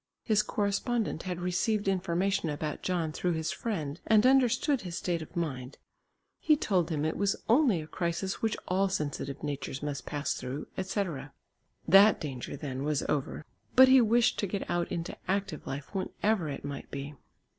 His correspondent had received information about John through his friend and understood his state of mind. He told him it was only a crisis which all sensitive natures must pass through, etc. That danger, then, was over. But he wished to get out into active life when ever it might be.